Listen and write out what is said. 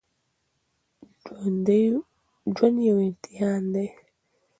ژوند يو امتحان دی